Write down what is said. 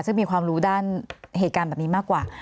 ซึ่งมีความรู้ด้านเหตุการณ์แบบนี้มากกว่า